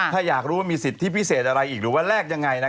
ถ้าอยากรู้ว่ามีสิทธิพิเศษอะไรอีกหรือว่าแลกยังไง